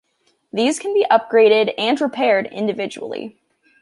These can be upgraded and repaired individually.